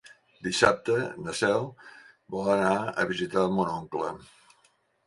Dissabte na Cel vol anar a visitar mon oncle.